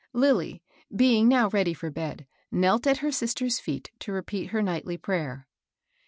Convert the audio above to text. Lilly, being now ready for bed, knelt at her sis ter's feet to repeat her nightly prayer.